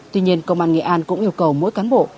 tuy nhiên công an nghệ an cũng yêu cầu mỗi cán bộ